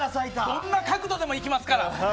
どんな角度でもいきますから。